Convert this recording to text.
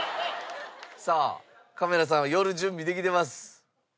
さあカメラさんは寄る準備できてます。